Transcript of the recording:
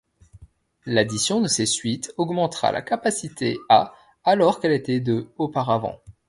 L'addition de ces suites augmentera la capacité à alors qu'elle était de auparavant.